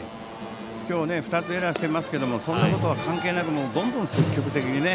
今日１つエラーしてますけどそんなことは関係なくどんどん積極的にね。